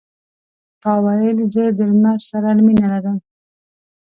تا ویل زه د لمر سره مینه لرم.